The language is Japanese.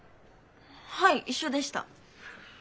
はい一緒でした。